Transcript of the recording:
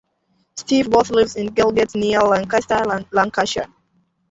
Steve Booth lives in Galgate, near Lancaster, Lancashire.